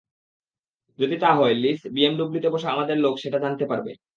যদি তা হয়, লিস, বিএমডব্লুতে বসা আমাদের লোক সেটা জানতে পারবে।